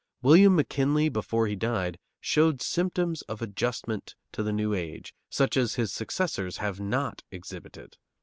William McKinley, before he died, showed symptoms of adjustment to the new age such as his successors have not exhibited.